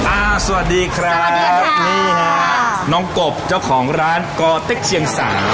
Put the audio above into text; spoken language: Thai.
สวัสดีครับนี่ฮะน้องกบเจ้าของร้านก่อติ๊กเชียงสา